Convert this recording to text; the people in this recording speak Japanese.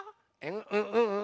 うんうん。